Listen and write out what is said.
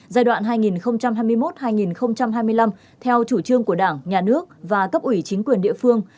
giai đoạn hai nghìn hai mươi một hai nghìn hai mươi năm theo chủ trương của đảng nhà nước và cấp ủy chính quyền địa phương